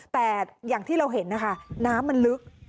แต่อย่างที่เราเห็นนะคะน้ำมันลึก